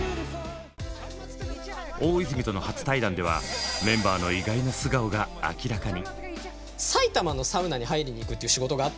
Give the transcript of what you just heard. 大泉との初対談ではメンバーの意外な素顔が明らかに。